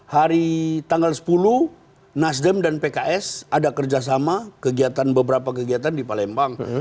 hari tanggal sepuluh nasdem dan pks ada kerjasama beberapa kegiatan di palembang